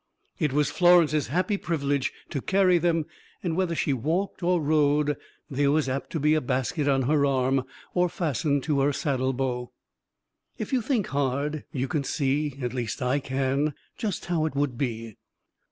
It was Florence's happy privilege to carry them, and whether she walked or rode there was apt to be a basket on her arm or fastened to her saddlebow. If you think hard, you can see at least I can just how it would be.